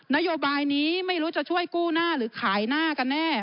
นโยบายนี้ไม่รู้จะช่วยกู้หน้าหรือขายหน้ากันแน่